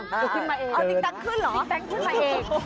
เป็นเพลงอะไรนะเวียดนามมั้ย